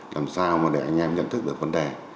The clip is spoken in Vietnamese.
làm sao mà để anh em nhận thức được vấn đề